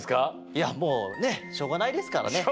いやもうねしょうがないですからね。